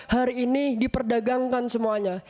hari ini diperdagangkan semuanya